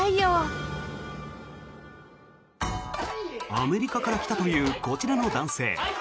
アメリカから来たというこちらの男性。